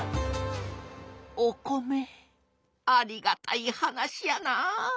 お米ありがたい話やな。